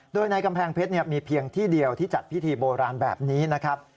โดยในกำแพงเพชรมีเพียงที่เดียวที่จัดพิธีโบราณแบบนี้นะครับ